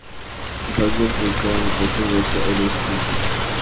El bagazo resultante se deja reposar en grandes y olorosas tinas.